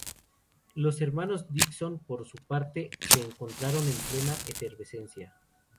Los hermanos Dickinson, por su parte, se encontraban en plena efervescencia.